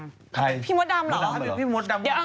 พี่มดดำเหรอพี่มดดำว่าใครพี่มดดำเหรอ